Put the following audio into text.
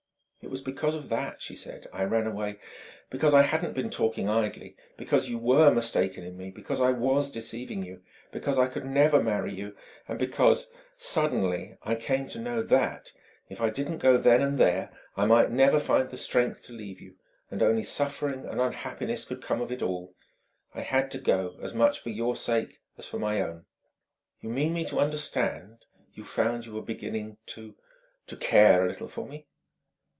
"It was because of that," she said "I ran away; because I hadn't been talking idly; because you were mistaken in me, because I was deceiving you, because I could never marry you, and because suddenly I came to know that, if I didn't go then and there, I might never find the strength to leave you, and only suffering and unhappiness could come of it all. I had to go, as much for your sake as for my own." "You mean me to understand, you found you were beginning to to care a little for me?"